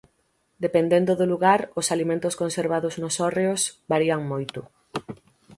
Dependendo do lugar, os alimentos conservados nos hórreos varían moito.